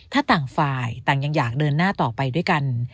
ถ้าต่างฝ่ายต่างยังอยากเดินหน้าต่อไปด้วยกัน